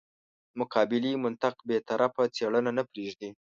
مقابلې منطق بې طرفه څېړنه نه پرېږدي.